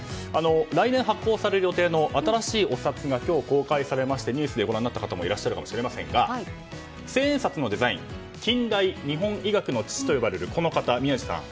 来年発行される予定の新しいお札が今日公開されましてニュースでご覧になった方もいるかもしれませんが千円札のデザイン近代日本医学の父と呼ばれるこの方、宮司さん。